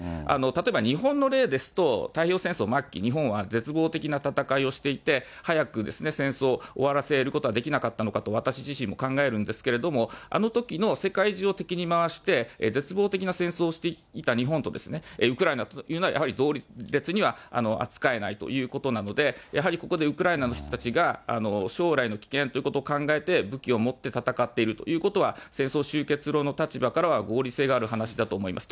例えば日本の例ですと、太平洋戦争末期、日本は絶望的な戦いをしていて、早く戦争を終わらせることはできなかったのかと私自身も考えるんですけれども、あのときの、世界中を敵に回して、絶望的な戦争をしていた日本と、ウクライナというのは、やはり同列には扱えないということなので、やはりここでウクライナの人たちが将来の危険ということを考えて、武器を持って戦っているということは、戦争終結論の立場からは合理性がある話だと思います。